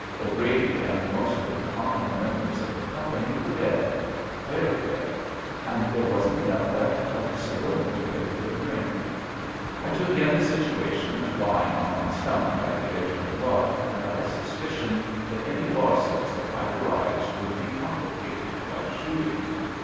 'Grady and most of the prominent members of the com 192 ABAFT THE FUNNEL pany were dead — ^very dead — and there wasn't enough left of the saloon to pay for a drink. I took in the situation lying on my stomach at the edge of the bluff, and I suspicioned that any law suits that might arise would be complicated by shooting.